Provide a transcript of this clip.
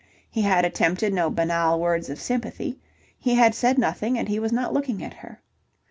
He had attempted no banal words of sympathy. He had said nothing and he was not looking at her.